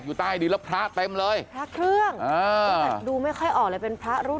ดูไม่ค่อยออกเลยเป็นพระรุ่นไหน